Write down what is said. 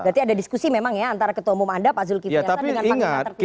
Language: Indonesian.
berarti ada diskusi memang ya antara ketua umum anda pak zulkifli hasan dengan panglima tertinggi